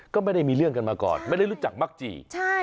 ก็ไม่ได้มีเรื่องกันมาก่อนไม่ได้รู้จักมักจี่